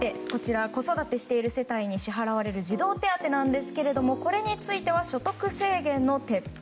子育てしている世帯に支払われる児童手当なんですけれどもこれについては所得制限の撤廃。